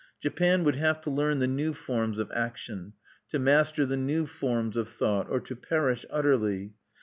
Japan would have to learn the new forms of action, to master the new forms of thought, or to perish utterly.